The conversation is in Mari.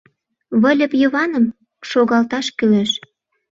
— Выльып Йываным шогалташ кӱлеш.